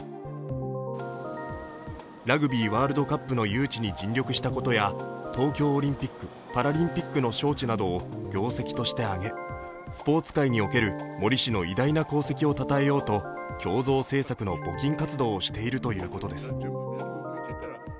ラグビーワールドカップの誘致に尽力したことや東京オリンピック・パラリンピックの招致などを業績として挙げスポーツ界における森氏の偉大な功績をたたえようと胸像制作の募金活動をしているということです。